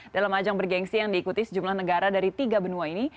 dalam ajang bergensi yang diikuti sejumlah negara dari tiga benua ini